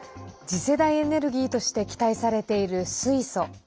次世代エネルギーとして期待されている水素。